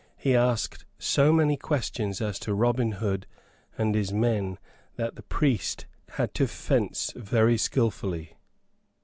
He asked so many questions as to Robin Hood and his men that the priest had to fence very skilfully.